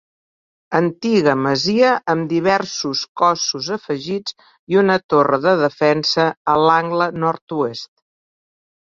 Antiga masia amb diversos cossos afegits i una torre de defensa a l'angle Nord-oest.